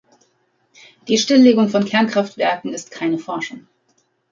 Die Stillegung von Kernkraftwerken ist keine Forschung.